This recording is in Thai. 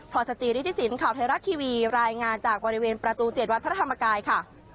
สจิริธิสินข่าวไทยรัฐทีวีรายงานจากบริเวณประตู๗วัดพระธรรมกายค่ะ